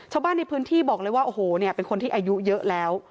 ชาวบ้านในพื้นที่บอกเลยว่าโอ้โหเนี่ยเป็นคนที่อายุเยอะแล้ว